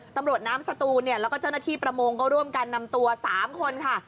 ตำรวจน้ำสตูนเนี่ยแล้วก็เจ้าหน้าที่ประมงก็ร่วมกันนำตัว๓คนค่ะ